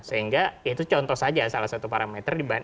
sehingga ya itu contoh saja salah satu parameter